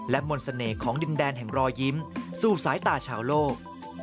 มนต์เสน่ห์ของดินแดนแห่งรอยยิ้มสู่สายตาชาวโลก